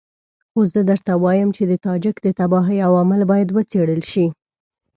خو زه درته وایم چې د تاجک د تباهۍ عوامل باید وڅېړل شي.